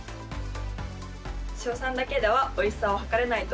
硝酸だけではおいしさを測れないと思いました。